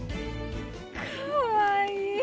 かわいい！